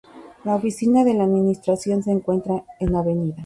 La oficina de administración se encuentra en Av.